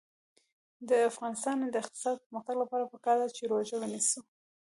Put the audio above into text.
د افغانستان د اقتصادي پرمختګ لپاره پکار ده چې روژه ونیسو.